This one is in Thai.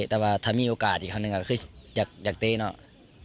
แต่ว่าถ้ามีโอกาสอีกครั้งหนึ่งก็คืออยากตีเนาะ